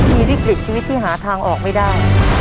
มีวิกฤตชีวิตที่หาทางออกไม่ได้